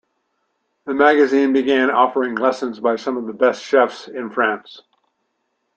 The magazine began offering lessons by some of the best chefs in France.